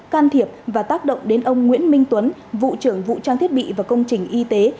can thiệp và tác động đến ông nguyễn minh tuấn vụ trưởng vụ trang thiết bị và công trình y tế